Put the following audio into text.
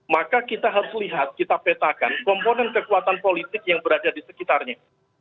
maka kita harus lihat kita petakan komponen kekuatan politik yang berada di sekitarnya